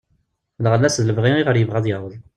Lɣella-s d lebɣi iɣer yebɣa ad yaweḍ.